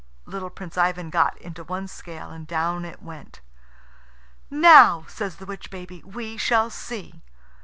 Little Prince Ivan got into one scale, and down it went. "Now," says the witch baby, "we shall see."